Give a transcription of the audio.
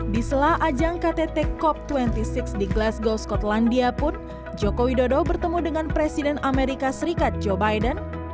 di sela ajang ktt cop dua puluh enam di glasgow skotlandia pun joko widodo bertemu dengan presiden amerika serikat joe biden